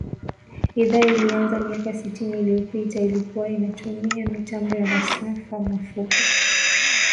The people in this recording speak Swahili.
Idhaa ilianza miaka sitini iliyopita ilikua inatumia mitambo ya masafa mafupi